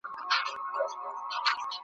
که له تېروتنو پند واخلې نو بریالی یې.